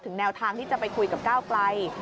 แนวทางที่จะไปคุยกับก้าวไกล